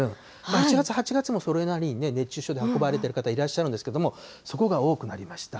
７月、８月もそれなりに熱中症で運ばれてる方いらっしゃるんですけど、そこが多くなりました。